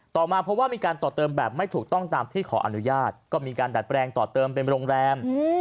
มาพบว่ามีการต่อเติมแบบไม่ถูกต้องตามที่ขออนุญาตก็มีการดัดแปลงต่อเติมเป็นโรงแรม